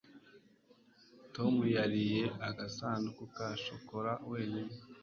tom yariye agasanduku ka shokora wenyine